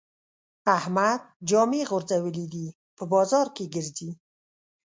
احمد جامې غورځولې دي؛ په بازار کې ګرځي.